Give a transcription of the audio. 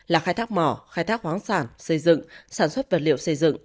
là khai thác mỏ khai thác khoáng sản xây dựng sản xuất vật liệu xây dựng